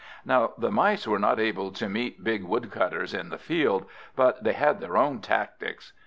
Now the Mice were not able to meet big Woodcutters in the field, but they had their own tactics.